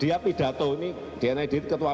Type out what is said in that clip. dia pidato ini dna di ketua